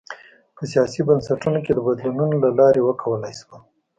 په سیاسي بنسټونو کې د بدلونونو له لارې وکولای شول.